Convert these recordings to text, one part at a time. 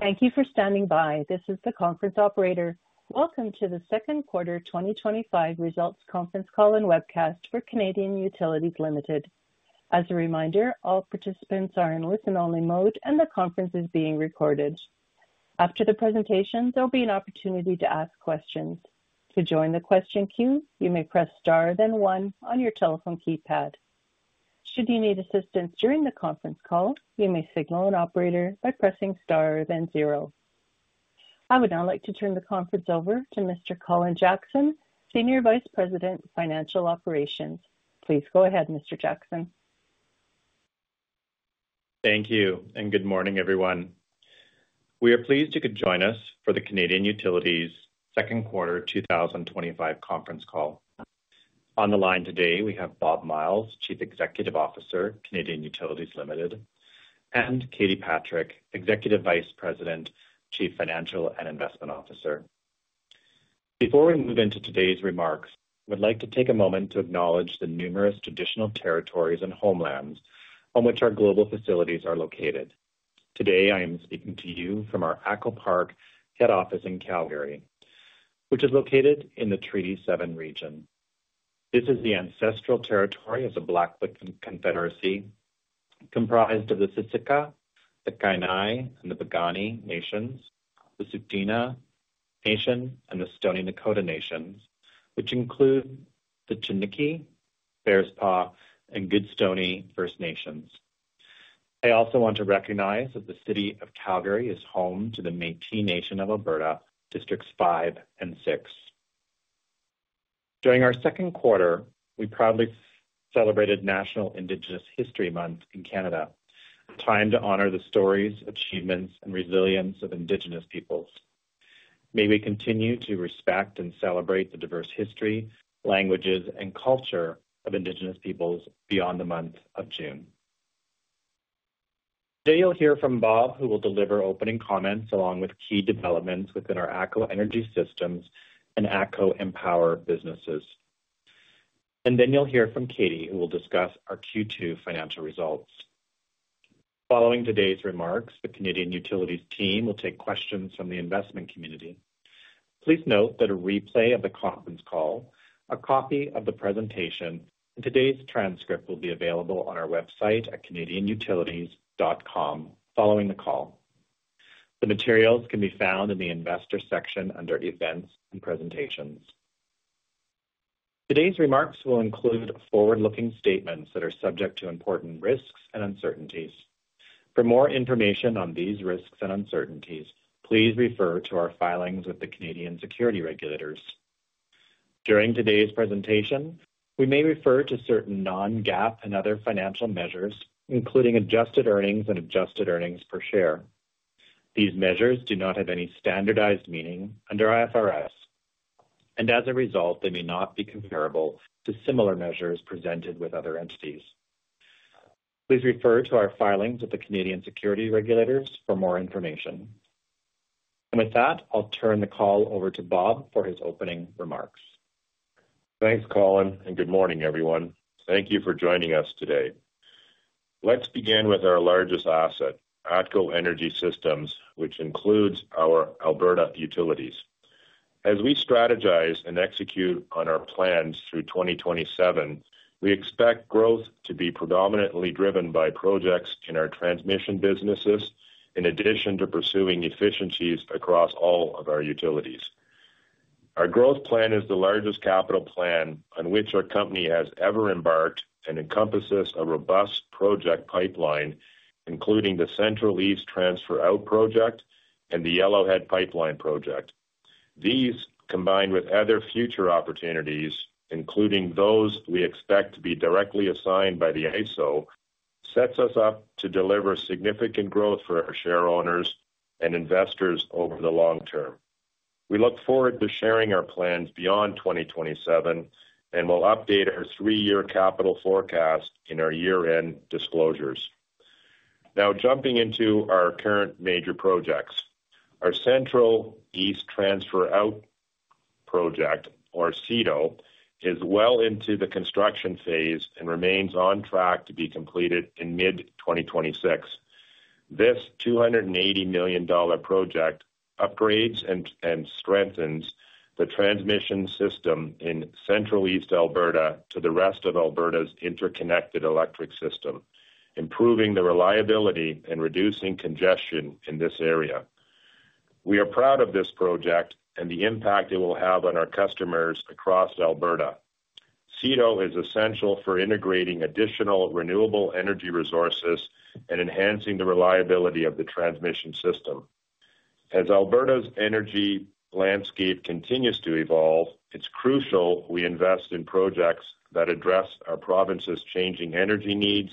Thank you for standing by. This is the conference operator. Welcome to the second quarter 2025 results conference call and webcast for Canadian Utilities Limited. As a reminder, all participants are in listen-only mode and the conference is being recorded. After the presentation, there will be an opportunity to ask questions. To join the question queue, you may press star then one on your telephone keypad. Should you need assistance during the conference call, you may signal an operator by pressing star then zero. I would now like to turn the conference over to Mr. Colin Jackson, Senior Vice President, Financial Operations. Please go ahead, Mr. Jackson. Thank you and good morning, everyone. We are pleased you could join us for the Canadian Utilities Second Quarter 2025 Conference Call. On the line today we have Bob Myles, Chief Executive Officer, Canadian Utilities Limited, and Katie Patrick, Executive Vice President, Chief Financial and Investment Officer. Before we move into today's remarks, we'd like to take a moment to acknowledge the numerous traditional territories and homelands on which our global facilities are located. Today I am speaking to you from our ATCO Park Head Office in Calgary, which is located in the Treaty 7 region. This is the ancestral territory of the Blackfoot Confederacy, comprised of the Siksika, the Kainai, and the Piikani nations, the Tsuut'ina Nation, and the Stoney Nakoda nations, which include the Chiniki, Bearspaw, and Goodstoney First Nations. I also want to recognize that the city of Calgary is home to the Métis Nation of Alberta Districts 5 and 6. During our second quarter, we proudly celebrated National Indigenous History Month in Canada, a time to honor the stories, achievements, and resilience of Indigenous Peoples. May we continue to respect and celebrate the diverse history, languages, and culture of Indigenous Peoples beyond the month of June. Today you'll hear from Bob, who will deliver opening comments along with key developments within our ATCO Energy Systems and ATCO EnPower businesses. You'll then hear from Katie, who will discuss our Q2 financial results. Following today's remarks, the Canadian Utilities team will take questions from the investment community. Please note that a replay of the conference call, a copy of the presentation, and today's transcript will be available on our website at canadianutilities.com following the call. The materials can be found in the Investors section under Events and Presentations. Today's remarks will include forward-looking statements that are subject to important risks and uncertainties. For more information on these risks and uncertainties, please refer to our filings with the Canadian securities regulators. During today's presentation, we may refer to certain non-GAAP and other financial measures, including adjusted earnings and adjusted earnings per share. These measures do not have any standardized meaning under IFRS, and as a result, they may not be comparable to similar measures presented by other entities. Please refer to our filings with the Canadian securities regulators for more information, and with that, I'll turn the call over to Bob for his opening remarks. Thanks, Colin, and good morning, everyone. Thank you for joining us today. Let's begin with our largest asset, ATCO Energy Systems, which includes our Alberta utilities. As we strategize and execute on our plans through 2027, we expect growth to be predominantly driven by projects in our transmission businesses in addition to pursuing efficiencies across all of our utilities. Our growth plan is the largest capital plan on which our company has ever embarked and encompasses a robust project pipeline, including the Central East Transfer Out Project and the Yellowhead Pipeline Project. These, combined with other future opportunities, including those we expect to be directly assigned by the ISO, set us up to deliver significant growth for our share owners and investors over the long term. We look forward to sharing our plans beyond 2027, and we'll update our three-year capital forecast in our year-end disclosures. Now, jumping into our current major projects, our Central East Transfer Out Project, or CETO, is well into the construction phase and remains on track to be completed in mid-2026. This $280 million project upgrades and strengthens the transmission system in Central East Alberta to the rest of Alberta's interconnected electric system, improving the reliability and reducing congestion in this area. We are proud of this project and the impact it will have on our customers across Alberta. CETO is essential for integrating additional renewable energy resources and enhancing the reliability of the transmission. As Alberta's energy landscape continues to evolve, it's crucial we invest in projects that address our province's changing energy needs,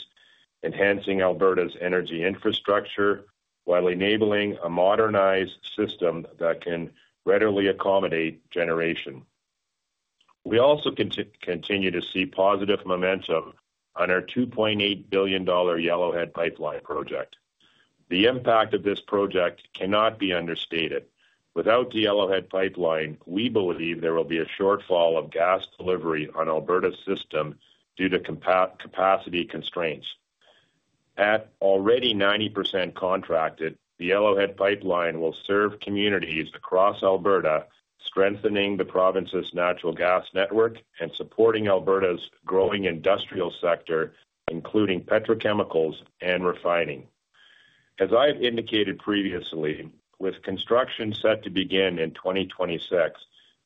enhancing Alberta's energy infrastructure while enabling a modernized system that can readily accommodate generation. We also continue to see positive momentum on our $2.8 billion Yellowhead Pipeline Project. The impact of this project cannot be understated. Without the Yellowhead Pipeline, we believe there will be a shortfall of gas delivery on Alberta's system due to capacity constraints. At already 90% contracted, the Yellowhead Pipeline will serve communities across Alberta, strengthening the province's natural gas network and supporting Alberta's growing industrial sector, including petrochemicals and refining. As I've indicated previously, with construction set to begin in 2026,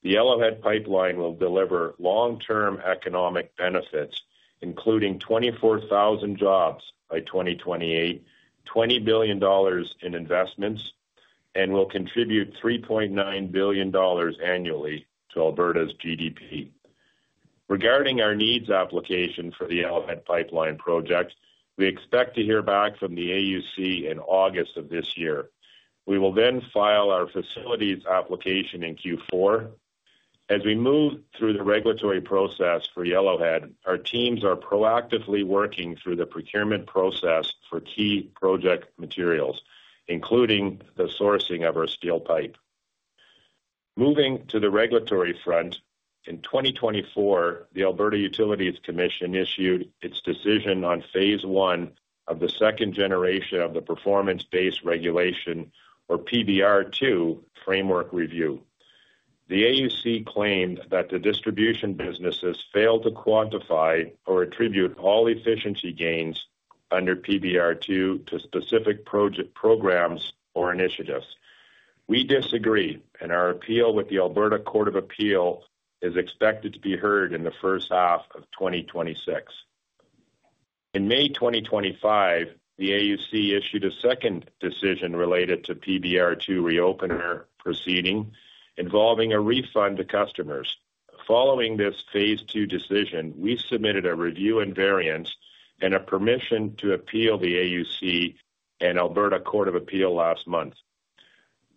the Yellowhead Pipeline will deliver long-term economic benefits including 24,000 jobs by 2028, $20 billion in investments, and will contribute $3.9 billion annually to Alberta's GDP. Regarding our needs, application for the Yellowhead Pipeline project, we expect to hear back from the Alberta Utilities Commission in August of this year. We will then file our facilities application in Q4 as we move through the regulatory process for Yellowhead. Our teams are proactively working through the procurement process for key project materials, including the sourcing of our steel pipe. Moving to the regulatory front in 2024, the Alberta Utilities Commission issued its decision on phase one of the second generation of the Performance Based Regulation, or PBR2 framework review. The AUC claimed that the distribution businesses failed to quantify or attribute all efficiency gains under PBR2 to specific programs or initiatives. We disagree, and our appeal with the Alberta Court of Appeal is expected to be heard in the first half of 2026. In May 2025, the AUC issued a second decision related to the PBR2 reopener proceeding involving a refund to customers. Following this phase two decision, we submitted a review and variance and a permission to appeal to the AUC and Alberta Court of Appeal last month.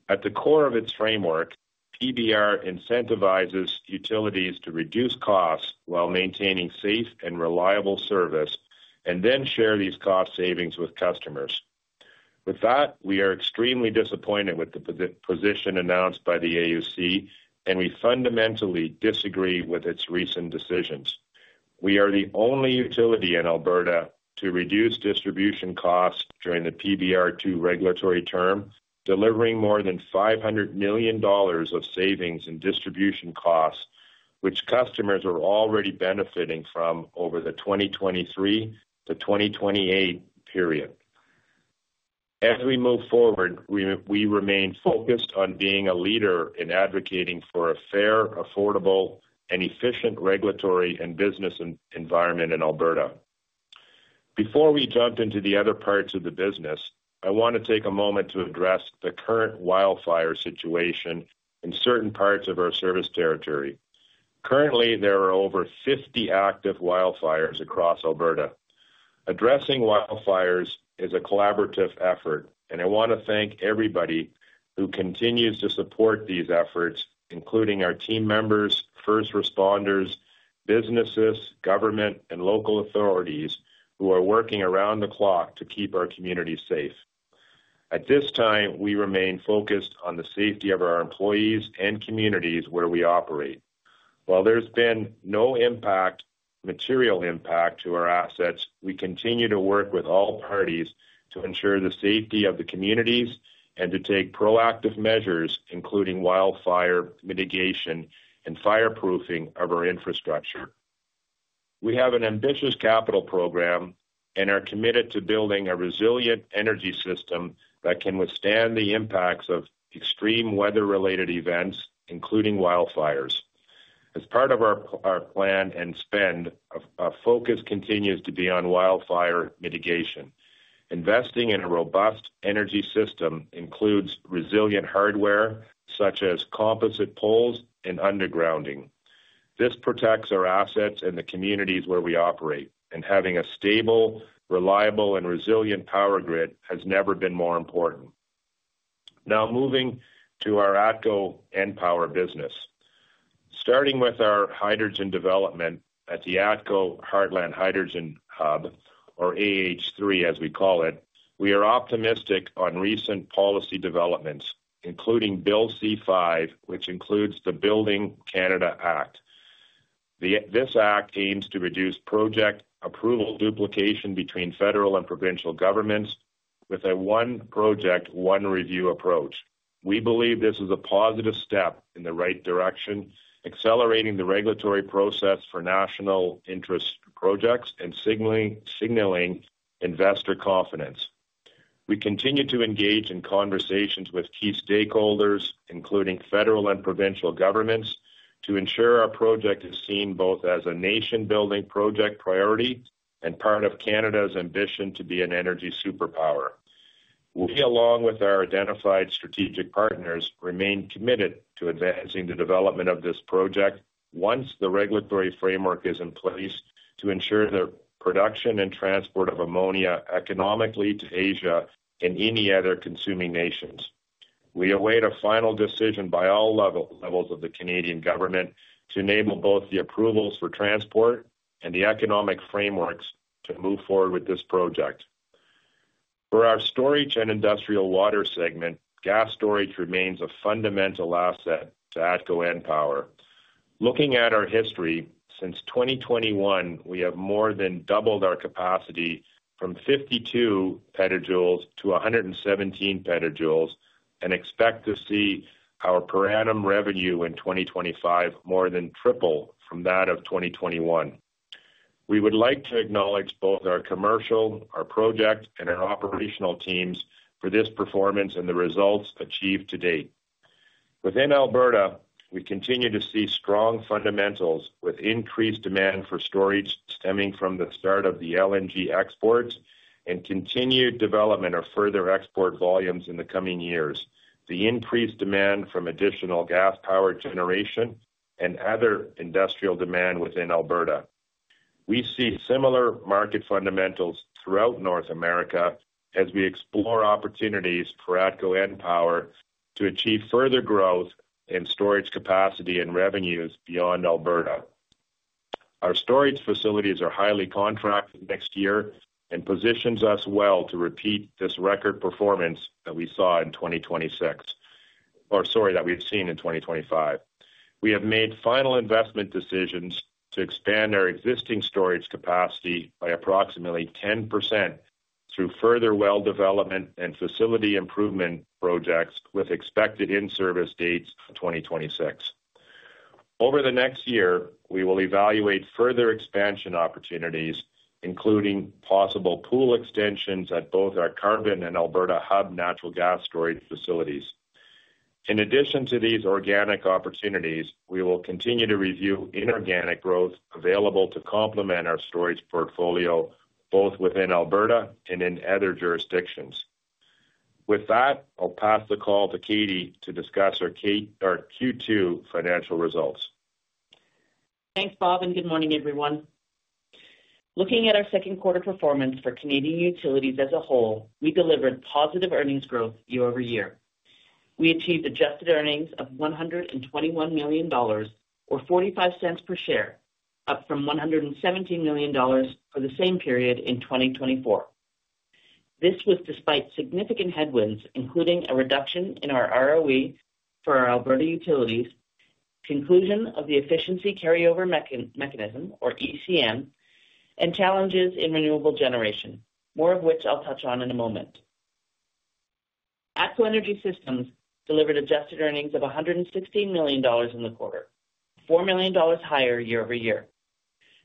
At the core of its framework, PBR incentivizes utilities to reduce costs while maintaining safe and reliable service and then share these cost savings with customers. With that, we are extremely disappointed with the position announced by the AUC, and we fundamentally disagree with its recent decisions. We are the only utility in Alberta to reduce distribution costs during the PBR2 regulatory term, delivering more than $500 million of savings in distribution costs which customers are already benefiting from over the 2023-2028 period. As we move forward, we remain focused on being a leader in advocating for a fair, affordable, and efficient regulatory and business environment in Alberta. Before we jump into the other parts of the business, I want to take a moment to address the current wildfire situation in certain parts of our service territory. Currently, there are over 50 active wildfires across Alberta. Addressing wildfires is a collaborative effort, and I want to thank everybody who continues to support these efforts, including our team members, first responders, businesses, government, and local authorities who are working around the clock to keep our communities safe. At this time, we remain focused on the safety of our employees and communities where we operate. While there's been no material impact to our assets, we continue to work with all parties to ensure the safety of the communities and to take proactive measures, including wildfire mitigation and fireproofing of our infrastructure. We have an ambitious capital program and are committed to building a resilient energy system that can withstand the impacts of extreme weather-related events, including wildfires, as part of our plan and spend. Our focus continues to be on wildfire mitigation. Investing in a robust energy system includes resilient hardware such as composite poles and undergrounding. This protects our assets and the communities where we operate, and having a stable, reliable, and resilient power grid has never been more important. Now moving to our ATCO EnPower business, starting with our hydrogen development at the ATCO Heartland Hydrogen Hub, or AH3 as we call it. We are optimistic on recent policy developments, including Bill C-5, which includes the Building Canada Act. This act aims to reduce project approval duplication between federal and provincial governments with a one project, one review approach. We believe this is a positive step in the right direction, accelerating the regulatory process for national interest group projects and signaling investor confidence. We continue to engage in conversations with key stakeholders, including federal and provincial governments, to ensure our project is seen both as a nation-building project priority and part of Canada's ambition to be an energy superpower. We, along with our identified strategic partners, remain committed to advancing the development of this project once the regulatory framework is in place to ensure the production and transport of ammonia economically to Asia and any other consuming nations. We await a final decision by all levels of the Canadian government to enable both the approvals for transport and the economic frameworks to move forward with this project. For our Storage and Industrial Water segment, gas storage remains a fundamental asset to ATCO EnPower. Looking at our history, since 2021 we have more than doubled our capacity from 52 PJ to 117 PJ and expect to see our per annum revenue in 2025 more than triple from that of 2021. We would like to acknowledge both our commercial, our project, and our operational teams for this performance and the results achieved to date. Within Alberta, we continue to see strong fundamentals with increased demand for storage stemming from the start of the LNG exports and continued development of further export volumes in the coming years. The increased demand from additional gas power generation and other industrial demand within Alberta. We see similar market fundamentals throughout North America as we explore opportunities for ATCO EnPower to achieve further growth in storage capacity and revenues beyond Alberta. Our storage facilities are highly contracted next year and position us well to repeat this record performance that we saw in 2026, or sorry, that we've seen in 2025. We have made final investment decisions to expand our existing storage capacity by approximately 10% through further well development and facility improvement projects with expected in service dates in 2026. Over the next year, we will evaluate further expansion opportunities including possible pool extensions at both our Carbon and Alberta Hub natural gas storage facilities. In addition to these organic opportunities, we will continue to review inorganic growth available to complement our storage portfolio both within Alberta and in other jurisdictions. With that, I'll pass the call to Katie to discuss our Q2 financial results. Thanks Bob and good morning everyone. Looking at our second quarter performance for Canadian Utilities as a whole, we delivered positive earnings growth year over year. We achieved adjusted earnings of $121 million or $0.45 per share, up from $117 million for the same period in 2024. This was despite significant headwinds including a reduction in our ROE for our Alberta utilities, conclusion of the Efficiency Carryover Mechanism or ECM, and challenges in renewable generation, more of which I'll touch on in a moment. ATCO Energy Systems delivered adjusted earnings of $116 million in the quarter, $4 million higher year over year.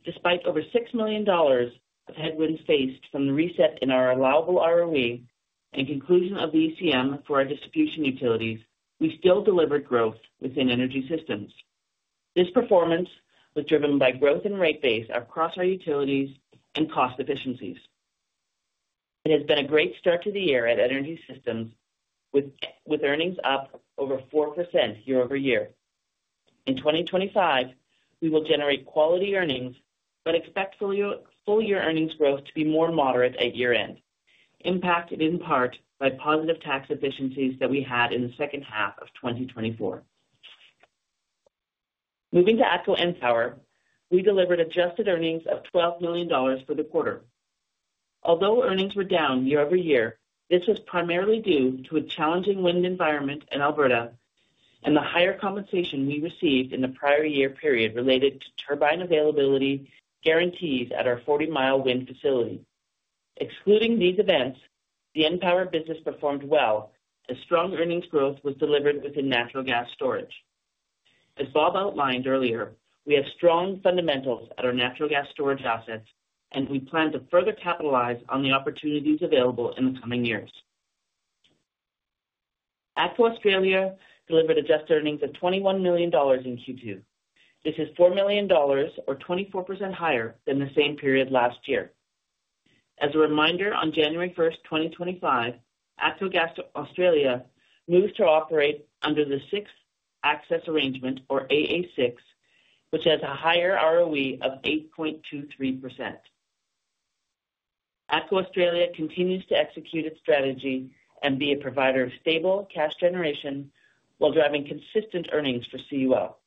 Despite over $6 million of headwinds faced from the reset in our allowed ROE and conclusion of the ECM for our distribution utilities, we still delivered growth within Energy Systems. This performance was driven by growth in rate base across our utilities and cost efficiencies. It has been a great start to the year at Energy Systems with earnings up over 4% year over year. In 2025 we will generate quality earnings but expect full year earnings growth to be more moderate at year end, impacted in part by positive tax efficiencies that we had in the second half of 2024. Moving to ATCO EnPower, we delivered adjusted earnings of $12 million for the quarter, although earnings were down year over year. This was primarily due to a challenging wind environment in Alberta and the higher compensation we received in the prior year period related to turbine availability guarantees at our Forty Mile Wind facility. Excluding these events, the EnPower business performed well as strong earnings growth was delivered within natural gas storage. As Bob outlined earlier, we have strong fundamentals at our natural gas storage assets and we plan to further capitalize on the opportunities available in the coming years. ATCO Australia delivered adjusted earnings of $21 million in Q2. This is $4 million or 24% higher than the same period last year. As a reminder, on January 1, 2025, ATCO Australia moves to operate under the Sixth Access Arrangement or AA6, which has a higher ROE of 8.23%. ATCO Australia continues to execute its strategy and be a provider of stable cash generation while driving consistent earnings for CUL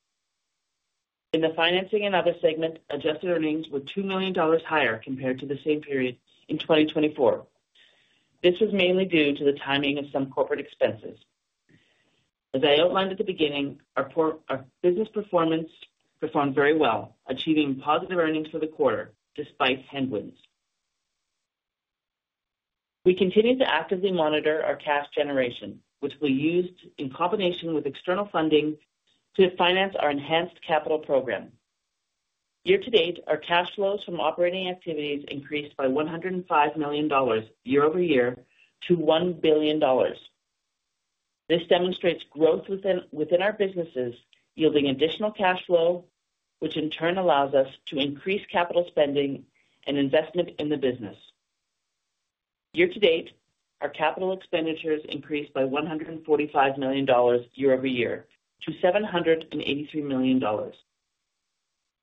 in the Financing and Other segment. Adjusted earnings were $2 million higher compared to the same period in 2024. This was mainly due to the timing of some corporate expenses. As I outlined at the beginning, our business performance performed very well, achieving positive earnings for the quarter. Despite headwinds, we continue to actively monitor our cash generation, which we used in combination with external funding to finance our enhanced capital program. Year to date, our cash flows from operating activities increased by $105 million year over year to $1 billion. This demonstrates growth within our businesses yielding additional cash flow, which in turn allows us to increase capital spending and investment in the business. Year to date, our capital expenditures increased by $145 million year over year to $783 million.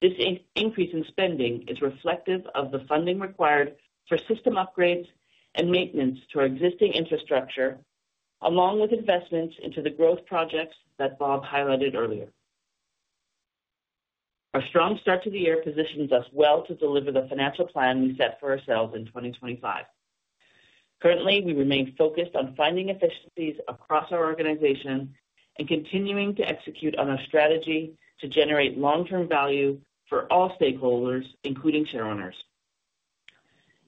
This increase in spending is reflective of the funding required for system upgrades and maintenance to our existing infrastructure, along with investments into the growth projects that Bob highlighted earlier. Our strong start to the year positions us well to deliver the financial plan we set for ourselves in 2025. Currently, we remain focused on finding efficiencies across our organization and continuing to execute on our strategy to generate long term value for all stakeholders, including shareowners.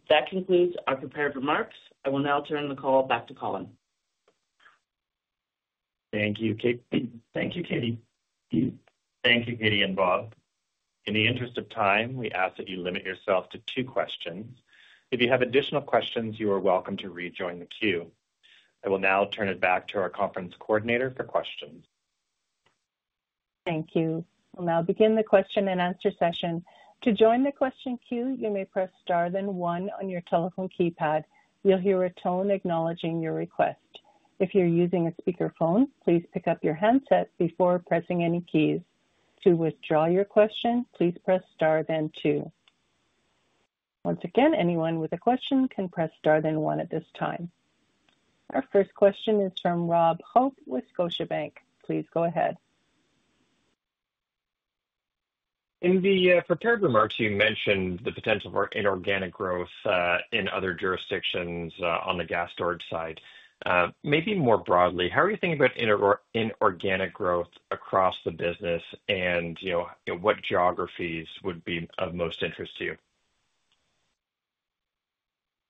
That concludes our prepared remarks. I will now turn the call back to Colin. Thank you, Katie. And Bob, in the interest of time, we ask that you limit yourself to two questions. If you have additional questions, you are welcome to rejoin the queue. I will now turn it back to our conference coordinator for questions. Thank you. We'll now begin the question and answer session. To join the question queue, you may press star then one on your telephone keypad. You'll hear a tone acknowledging your request. If you're using a speakerphone, please pick up your handset before pressing any keys. To withdraw your question, please press star then two. Once again, anyone with a question can press star then one at this time. Our first question is from Rob Hope with Scotiabank. Please go ahead. In the prepared remarks, you mentioned the. Potential for inorganic growth in other jurisdictions. On the gas storage side, maybe more broadly, how are you thinking about inorganic growth. Growth across the business? You know what geographies would be. Of most interest to you?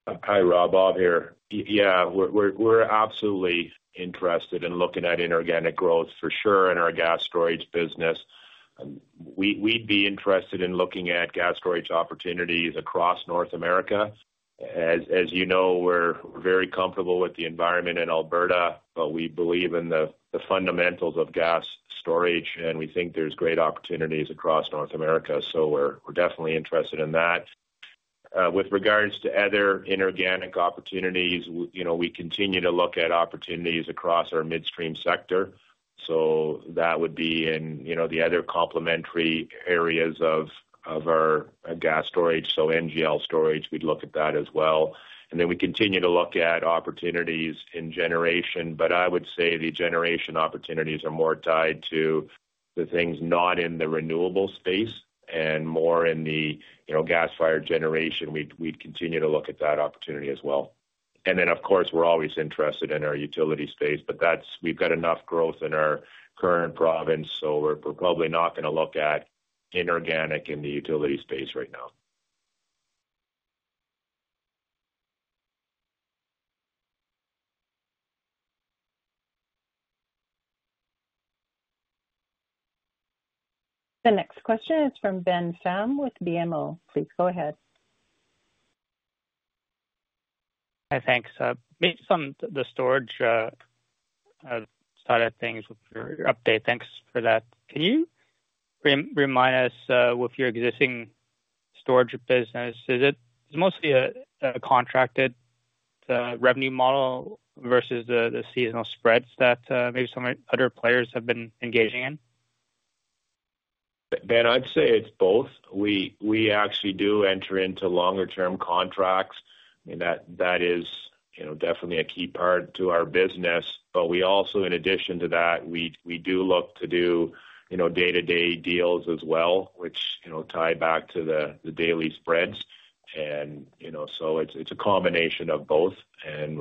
Hi, Rob, Bob here. Yeah, we're absolutely interested in looking at inorganic growth, for sure, in our gas storage business. We'd be interested in looking at gas storage opportunities across North America. As you know, we're very comfortable with the environment in Alberta, but we believe in the fundamentals of gas storage, and we think there's great opportunities across North America. We're definitely interested in that. With regards to other inorganic opportunities, we continue to look at opportunities across our midstream sector. That would be in the other complementary areas of our gas storage, so NGL storage, we'd look at that as well. We continue to look at opportunities in generation. I would say the generation opportunities are more tied to the things not in the renewable space and more in the gas-fired generation. We'd continue to look at that opportunity as well. Of course, we're always interested in our utility space, but we've got enough growth in our current province, so we're probably not going to look at inorganic in the utility space right now. The next question is from Ben Pham with BMO. Please go ahead. Hi, thanks. Based on the storage side of things with your update. Thanks for that. Can you remind us with your existing. Storage business, is it mostly a contracted revenue model versus the seasonal spreads that maybe some other players have been engaging in? I'd say it's both. We actually do enter into longer term contracts. That is definitely a key part to our business. We also, in addition to that, look to do day to day deals as well, which tie back to the daily spreads. It's a combination of both.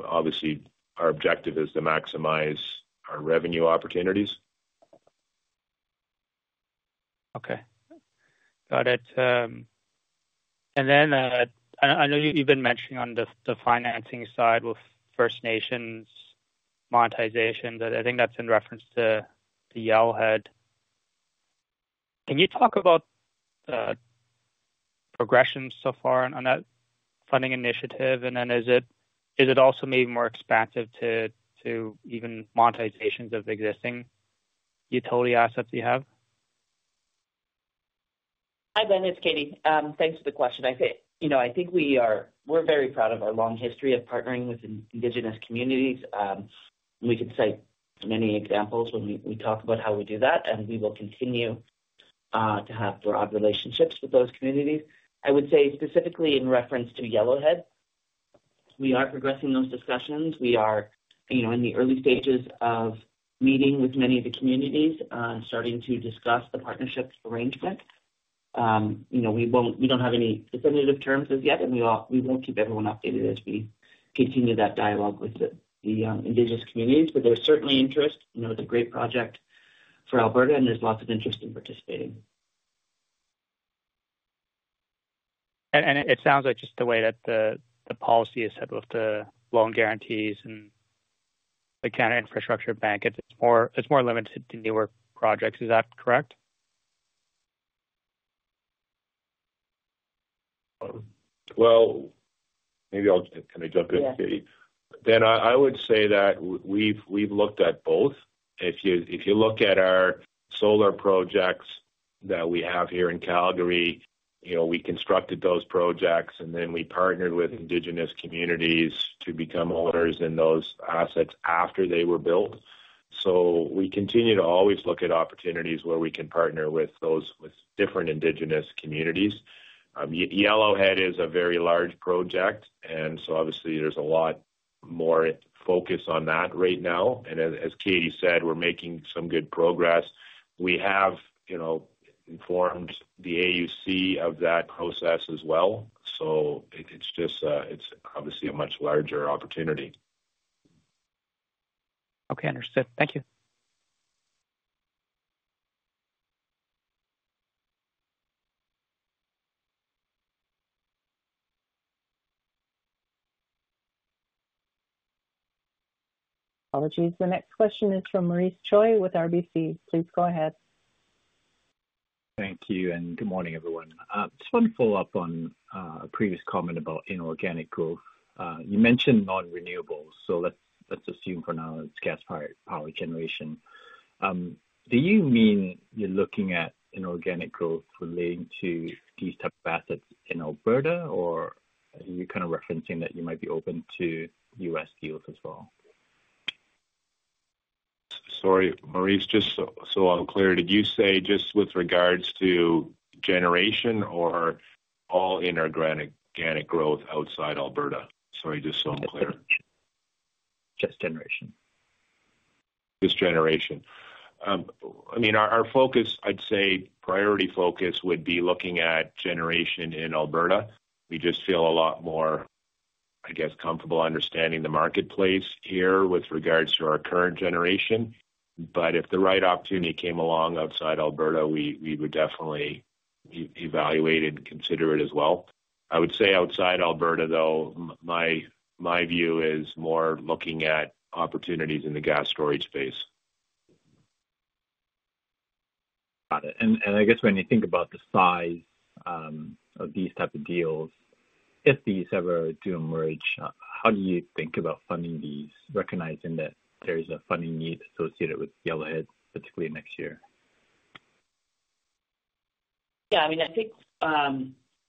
Obviously, our objective is to maximize our revenue opportunities. Okay, got it. I know you've been mentioning on the financing side with First Nations. Monetization, I think that's in reference to the Yellowhead. Can you talk about the progression so far on that funding initiative? Is it also maybe more expansive to even monetizations of existing utility assets you have? Hi Ben, it's Katie. Thanks for the question. I think we are very proud of our long history of partnering with Indigenous communities. We could cite many examples when we talk about how we do that, and we will continue to have broad relationships with those communities. I would say specifically in reference to Yellowhead, we are progressing those discussions. We are in the early stages of meeting with many of the communities, starting to discuss the partnership arrangement. We don't have any definitive terms as yet, and we will keep everyone updated as we continue that dialogue with the Indigenous communities. There's certainly interest. You know, it's a great project for Alberta, and there's lots of interest in participating. It sounds like just the way that the policy is set with the. Loan guarantees and the Canada Infrastructure Bank. It's more limited to newer projects, is that correct? I'll jump in, Katie. Ben, I would say that we've looked at both. If you look at our solar projects that we have here in Calgary, we constructed those projects and then we partnered with Indigenous communities to become owners in those assets after they were built. We continue to always look at opportunities where we can partner with those with different Indigenous communities. Yellowhead is a very large project, and obviously there's a lot more focus on that right now. As Katie said, we're making some good progress. We have informed the AUC of that process as well. It's obviously a much larger opportunity. Okay, understood. Thank you. Apologies. The next question is from Maurice Choy with RBC. Please go ahead. Thank you and good morning everyone. Just want to follow up on a previous comment about inorganic growth. You mentioned non renewables. Let's assume for now it's gas-fired power generation. Do you mean you're looking at inorganic growth relating to these type of assets in Alberta, or you're kind of referencing that you might be open to U.S. deals as well? Sorry Maurice, just so I'm clear, did you say just with regards to generation or all inorganic growth outside Alberta? Sorry, just so I'm clear. Just generation. Just generation. I mean our focus, I'd say priority focus would be looking at generation in Alberta. We just feel a lot more, I guess, comfortable understanding the marketplace here with regards to our current generation. If the right opportunity came along outside Alberta, we would definitely evaluate and consider it as well. I would say outside Alberta, though, my view is more looking at opportunities in the gas storage space. Got it. I guess when you think about the size of these type of deals, if these ever do emerge, how do you think about funding these? Recognizing that there is a funding need associated with Yellowhead, particularly next year? Yeah, I mean, I think.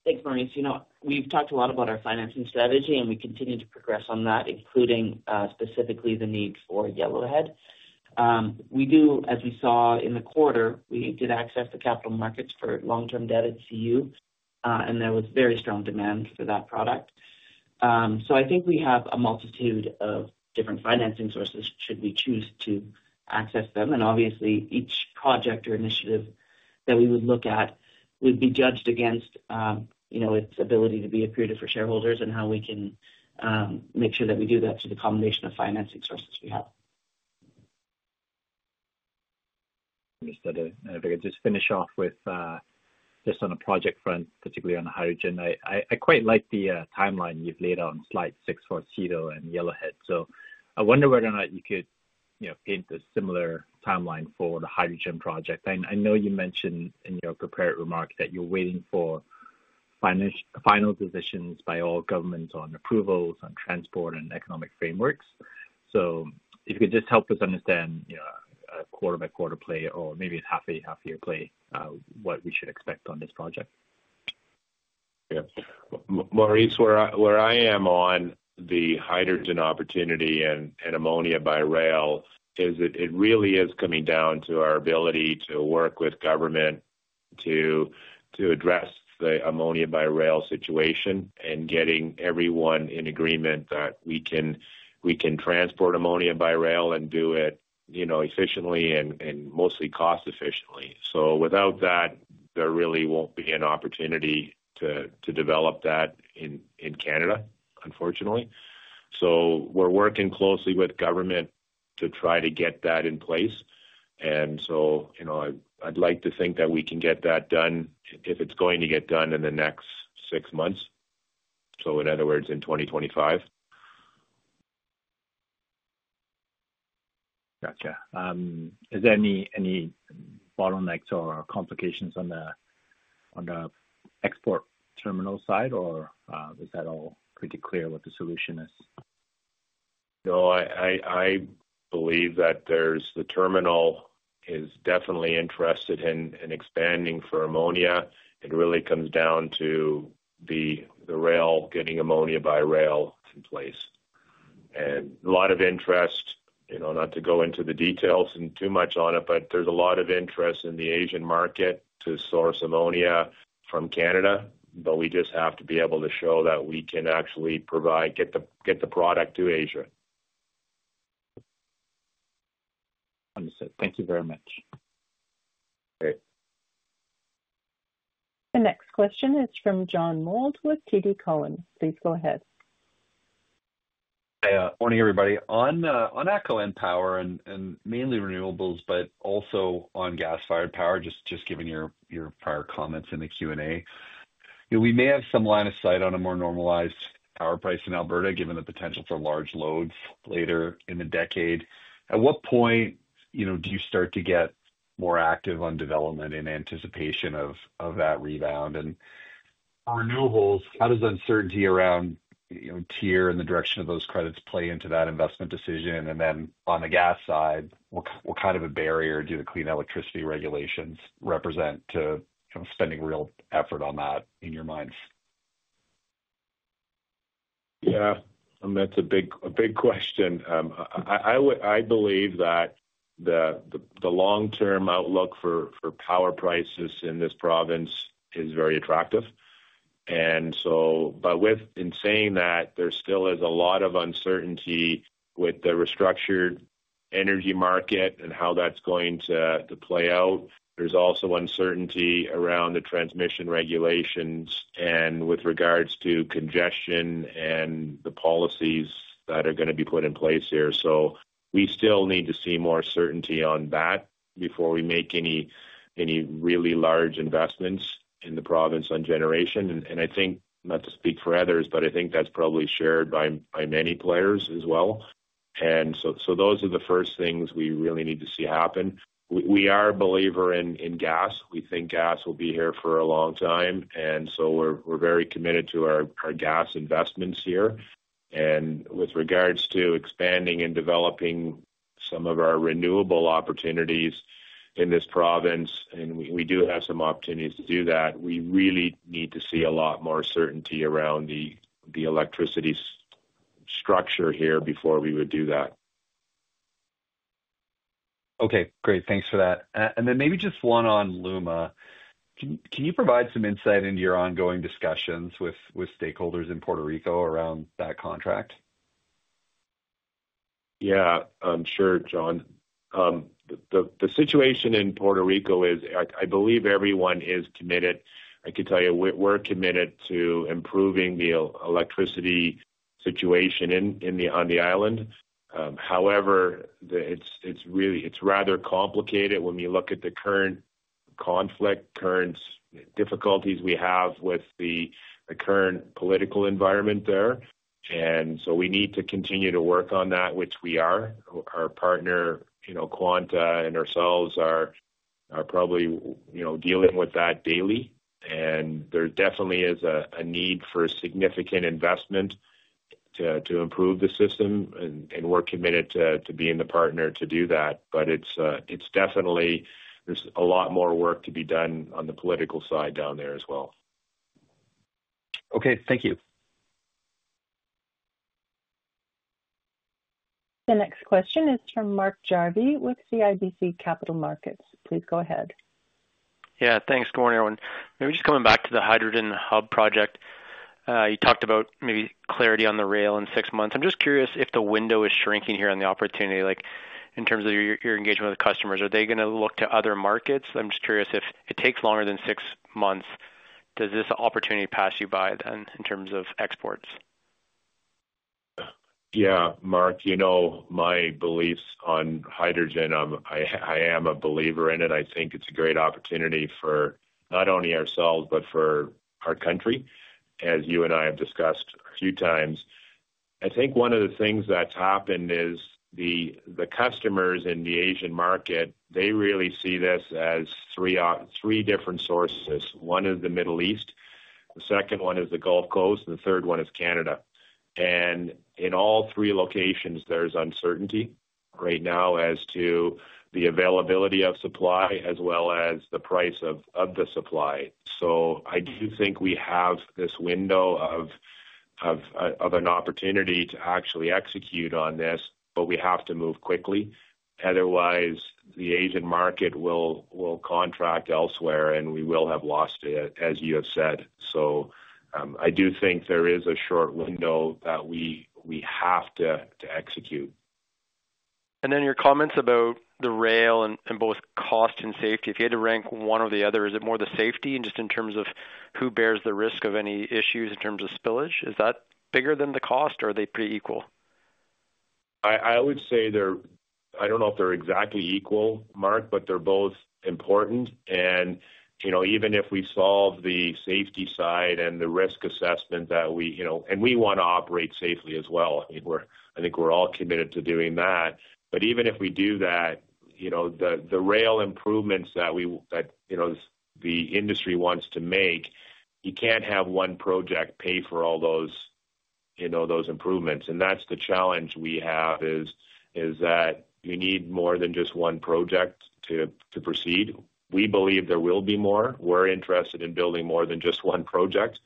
Thanks, Maurice. You know, we've talked a lot about our financing strategy and we continue to progress on that, including specifically the need for Yellowhead. We do, as we saw in the quarter, we did access the capital markets for long term debt at CU and there was very strong demand for that product. I think we have a multitude of different financing sources should we choose to access them. Obviously each project or initiative that we would look at would be judged against, you know, its ability to be accretive for shareholders and how we can make sure that we do that through the combination of financing sources we have. Understood. If I could just finish off with just on a project front, particularly on the hydrogen. I quite like the timeline you've laid out on slide six for CETO and Yellowhead. I wonder whether or not you could paint a similar timeline for the hydrogen project. I know you mentioned in your prepared remarks that you're waiting for final decisions by all governments on approvals on transport and economic frameworks. If you could just help us understand a quarter by quarter play or maybe half a half year play, what we should expect on this project. Maurice, where I am on the hydrogen opportunity and ammonia by rail is it really is coming down to our ability to work with government to address the ammonia by rail situation and getting everyone in agreement that we can transport ammonia by rail and do it efficiently and mostly cost efficiently. Without that, there really won't be an opportunity to develop that in Canada, unfortunately. We're working closely with government to try to get that in place. I'd like to think that we can get that done if it's going to get done in the next six months, in other words, in 2025. Gotcha. Is there any bottlenecks or complications on the export terminal side, or is that all pretty clear what the solution is? No, I believe that there's definitely interest in expanding for ammonia. It really comes down to the rail, getting ammonia by rail in place, and a lot of interest, you know, not to go into the details too much on it, but there's a lot of interest in the Asian market to source ammonia from Canada. We just have to be able to show that we can actually provide, get the product to Asia. Understood. Thank you very much. The next question is from John Mould with TD Cowen. Please go ahead. Morning everybody. On ATCO EnPower and mainly renewables, but also on gas-fired power. Just given your prior comments in the Q&A, we may have some line of sight on a more normalized power price in Alberta, given the potential for large loads later in the decade. At what point do you start to. Get more active on development in anticipation. Of that rebound and renewables, how does uncertainty around TIER and the direction of those credits play into that investment decision? On the gas side, what. Kind of a barrier to the clean. electricity regulations represent spending real effort on that in your minds? Yeah, that's a big question. I believe that the long-term outlook for power prices in this province is very attractive. With that being said, there still is a lot of uncertainty with the restructured energy market and how that's going to play out. There's also uncertainty around the transmission regulations with regards to congestion and the policies that are going to be put in place here. We still need to see more certainty on that before we make any really large investments in the province on generation. I think, not to speak for others, but I think that's probably shared by many players as well. Those are the first things we really need to see happen. We are a believer in gas. We think gas will be here for a long time, and we're very committed to our gas investments here. With regards to expanding and developing some of our renewable opportunities in this province, we do have some opportunities to do that. We really need to see a lot more certainty around the electricity structure here before we would do that. Okay, great. Thanks for that. Maybe just one on LUMA. Can you provide some insight into your ongoing discussions with stakeholders in Puerto Rico around that contract? Yeah, sure, John. The situation in Puerto Rico is, I believe everyone is committed. I can tell you we're committed to improving the electricity situation on the island. However, it's rather complicated when you look at the current conflict, current difficulties we have with the current political environment there. We need to continue to work on that, which our partner, Quanta, and ourselves are probably dealing with daily. There definitely is a need for significant investment to improve the system, and we're committed to being the partner to do that. There's a lot more work to be done on the political side down there as well. Okay, thank you. The next question is from Mark Jarvi with CIBC Capital Markets. Please go ahead. Yeah, thanks. Good morning, everyone. Just coming back to the Hydrogen Hub project. You talked about maybe clarity on the rail in six months. I'm just curious if the window is shrinking here on the opportunity, like in terms of your engagement with customers, are they going to look to other markets? I'm just curious, if it takes longer than six months, does this opportunity pass you by then in terms of exports? Yeah. Mark, you know my beliefs on hydrogen. I am a believer in it. I think it's a great opportunity for not only ourselves, but for our country. As you and I have discussed a few times, I think one of the things that's happened is the customers in the Asian market really see this as three different sources. One is the Middle East, the second one is the Gulf Coast, and the third one is Canada. In all three locations, there's uncertainty right now as to the availability of supply as well as the price of the supply. I do think we have this window of an opportunity to actually execute on this. We have to move quickly, otherwise the Asian market will contract elsewhere and we will have lost it, as you have said. I do think there is a short window that we have to execute. Your comments about the rail and both cost and safety, if you had to rank one or the other, is it more the safety just in terms of who bears the risk of any issues in terms of spillage? Is that bigger than the cost, or are they pretty equal? I would say they're, I don't know if they're exactly equal, Mark, but they're both important. Even if we solve the safety side and the risk assessment that we, you know, and we want to operate safely as well, I think we're all committed to doing that. Even if we do that, the rail improvements that we, that the industry wants to make, you can't have one project pay for all those improvements. That's the challenge we have, you need more than just one project to proceed. We believe there will be more. We're interested in building more than just one project,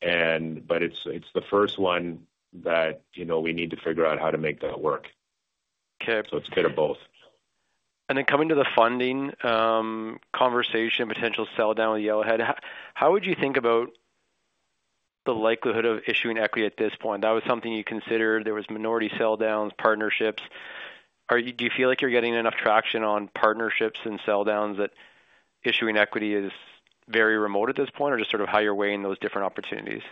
but it's the first one that we need to figure out how to make that work. It's a bit of both. Coming to the funding conversation, potential sell down with Yellowhead, how would you think about the likelihood of issuing equity at this point? That was something you considered. There was minority sell downs, partnerships. Do you feel like you're getting enough traction on partnerships and sell downs that issuing equity is very remote at this point, or just sort of how you're weighing those different opportunities?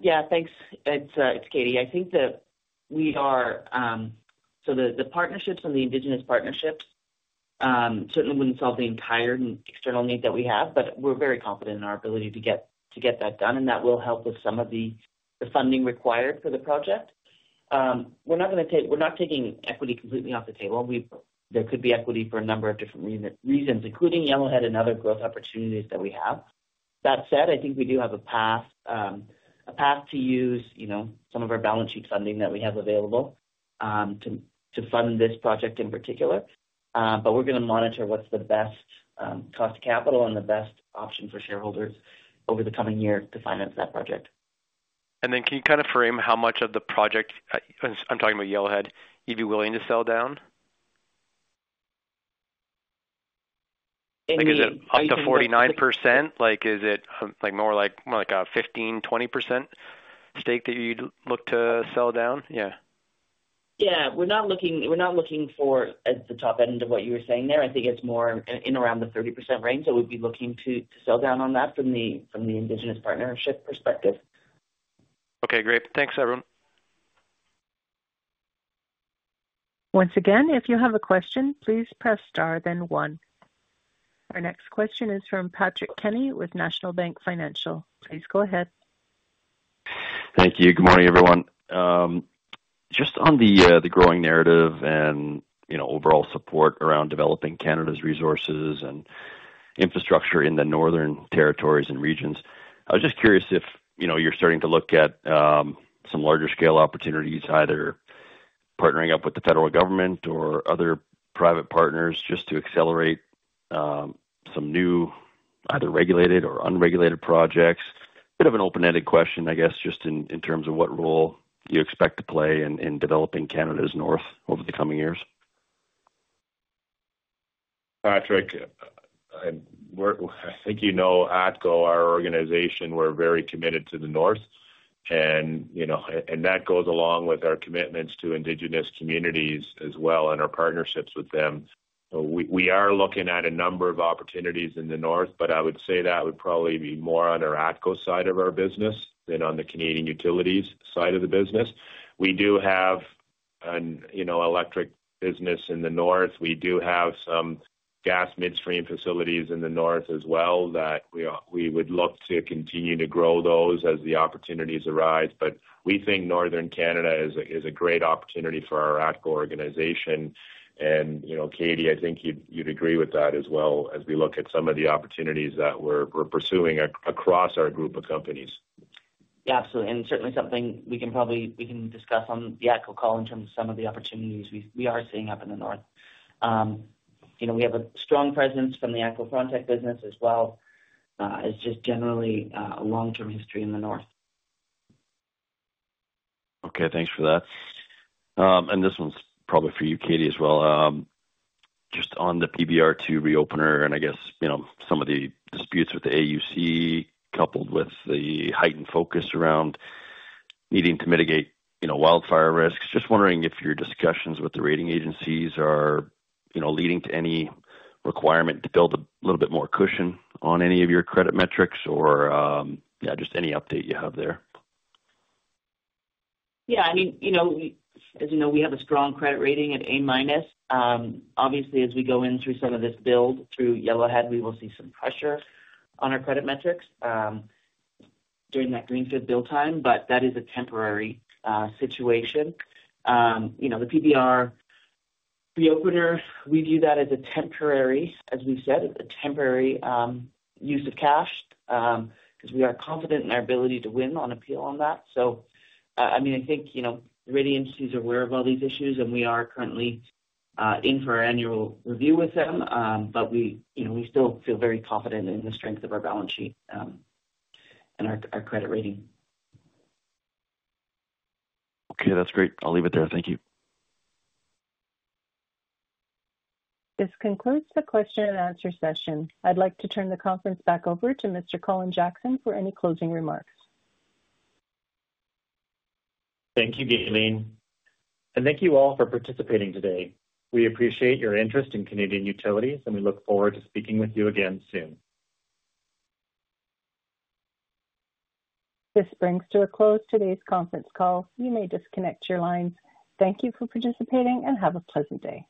Yeah, thanks. It's Katie. I think that we are. The partnerships and the Indigenous partnerships certainly wouldn't solve the entire external need that we have, but we're very confident in our ability to get that done and that will help with some of the funding required for the project. We're not taking equity completely off the table. There could be equity for a number of different reasons, including Yellowhead and other growth opportunities that we have. That said, I think we do have a path to use some of our balance sheet funding that we have available to fund this project in particular. We're going to monitor what's the best cost of capital and the best option for shareholders over the coming year to finance that project. Can you kind of frame how much of the project I'm talking about, Yellowhead, you'd be willing to sell down? Is it up to 49%? Is it more like a 15%, 20% stake that you'd look to sell down? Yeah, we're not looking for the top end of what you were saying there. I think it's more in around the 30% range that we'd be looking to sell down on that from the Indigenous Partnership perspective. Okay, great. Thanks everyone. Once again, if you have a question, please press star then one. Our next question is from Patrick Kenny with National Bank Financial. Please go ahead. Thank you. Good morning, everyone. Just on the growing narrative and overall support around developing Canada's resources and infrastructure in the Northern Territories and regions, I was just curious if you're starting. To look at some larger scale opportunities, either partnering up with the federal government or other private partners just to accelerate some new either regulated or unregulated projects. Bit of an open-ended question, I guess, just in terms of what role. You expect to play in developing Canada's. North over the coming years. Patrick, I think you know, ATCO, our organization, we're very committed to the North and that goes along with our commitments to Indigenous communities as well and our partnerships with them. We are looking at a number of opportunities in the North. I would say that would probably be more on our ATCO side of our business than on the Canadian Utilities side of the business. We do have an electric business in the North. We do have some gas midstream facilities in the North as well that we would look to continue to grow as the opportunities arise. We think Northern Canada is a great opportunity for our ATCO organization. Katie, I think you'd agree with that as well as we look at some of the opportunities that we're pursuing across our group of companies. Absolutely. Certainly something we can discuss on the ATCO call in terms of some of the opportunities we are seeing up in the north. We have a strong presence from the ATCO Frontec business as well. It's just generally a long-term history in the North. Okay, thanks for that. This one's probably for you, Katie, as well. Just on the PBR2 reopener and I. Guess some of the disputes with the AUC coupled with the heightened focus around needing to mitigate wildfire risks. Just wondering if your discussions with the rating agencies are leading to any requirement to build a little bit more cushion on any of your credit metrics. Just any update you have there. Yes, I mean as you know, we have a strong credit rating at A-. Obviously, as we go in through some of this build through Yellowhead, we will see some pressure on our credit metrics during that greenfield build time. That is a temporary situation. The PBR reopener, we view that as a temporary, as we said, a temporary use of cash because we are confident in our ability to win on appeal on that. I think the rating agency is aware of all these issues, and we are currently in for annual review with them. We still feel very confident in the strength of our balance sheet and our credit rating. Okay, that's great. I'll leave it there. Thank you. This concludes the question and answer session. I'd like to turn the conference back over to Mr. Colin Jackson for any closing remarks. Thank you, Gaylene. Thank you all for participating today. We appreciate your interest in Canadian Utilities, and we look forward to speaking with you again soon. This brings to a close today's conference call. You may disconnect your lines. Thank you for participating and have a pleasant day.